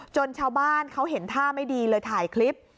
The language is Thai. ชาวบ้านเขาเห็นท่าไม่ดีเลยถ่ายคลิป